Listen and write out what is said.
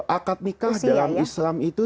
akad nikah dalam islam itu